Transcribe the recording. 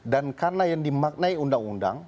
dan karena yang dimaknai undang undang